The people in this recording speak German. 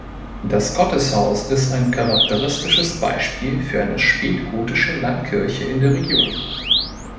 Das Gotteshaus ist ein charakteristisches Beispiel für eine spätgotische Landkirche in der Region.